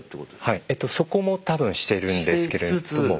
そこも多分してるんですけれども。